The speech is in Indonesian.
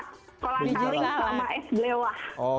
kolak saling sama es belewah